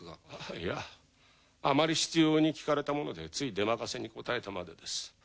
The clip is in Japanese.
いやあまり執拗に聞かれたものでつい出任せに答えたまでです。